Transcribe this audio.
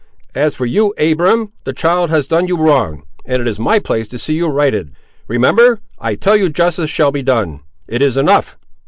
As for you, Abiram, the child has done you wrong, and it is my place to see you righted. Remember; I tell you justice shall be done; it is enough.